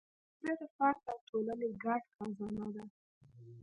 حافظه د فرد او ټولنې ګډ خزانه ده.